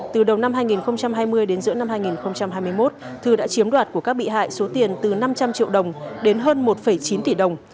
từ đầu năm hai nghìn hai mươi đến giữa năm hai nghìn hai mươi một thư đã chiếm đoạt của các bị hại số tiền từ năm trăm linh triệu đồng đến hơn một chín tỷ đồng